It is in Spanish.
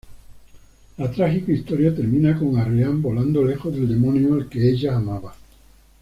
La trágica historia termina con Arriane volando lejos del demonio al que ella amaba.